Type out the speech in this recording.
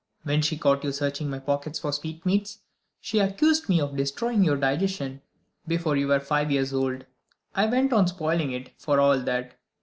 When she caught you searching my pockets for sweetmeats, she accused me of destroying your digestion before you were five years old. I went on spoiling it, for all that.